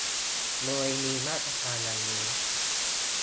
โดยมีมาตรการดังนี้